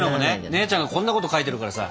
姉ちゃんがこんなこと書いてるからさ。